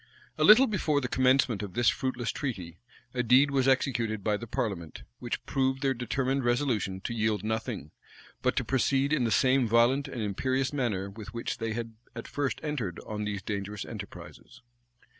A little before the commencement of this fruitless treaty, a deed was executed by the parliament, which proved their determined resolution to yield nothing, but to proceed in the same violent and imperious manner with which they had at first entered on these dangerous enterprises.